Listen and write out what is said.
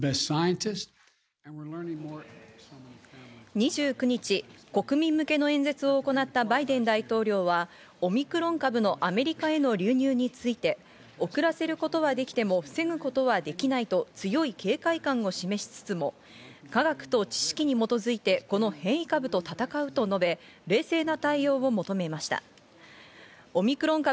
２９日、国民向けの演説を行ったバイデン大統領はオミクロン株のアメリカへの流入について遅らせることはできても防ぐことはできないと、強い警戒感を示しつつも科学と知識に基づいて、この変異株と闘うと述べ、冷静な対応を求めました。